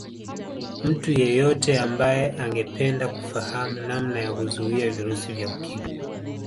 Mtu yeyote ambaye angependa kufahamu namna ya kuzuia virusi vya Ukimwi